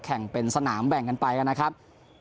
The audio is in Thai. แข่งเป็นสนามแบ่งกันไปนะครับ